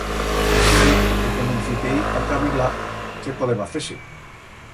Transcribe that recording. Asina que comencipiei a cavilar qué podeba fer-se.